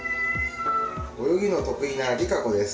泳ぎの得意なリカコです。